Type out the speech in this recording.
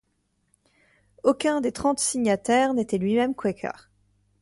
Aucun des trente signataires n'était lui-même quaker.